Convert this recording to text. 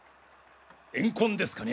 怨恨ですかね？